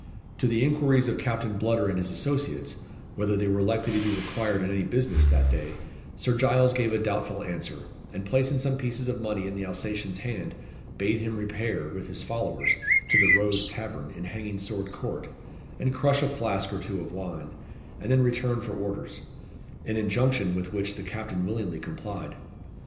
To the inquiries of Captain Bludder and his associates, whether they were likely to be required on any business that day, Sir Giles gave a doubtful answer, and placing some pieces of money in the Alsatian's hand, bade him repair, with his followers, to the "Rose Tavern," in Hanging Sword Court, and crush a flask or two of wine, and then return for orders an injunction with which the captain willingly complied.